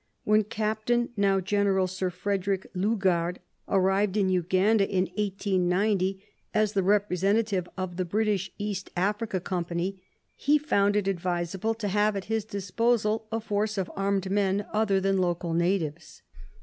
When Captain (now G eneral Sir Frederick) Lugard arrived in Uganda in 1890, as the Eepresentative of the British East Africa Com pany, he found it advisable to have at his disposal a force of armed men other than local natives.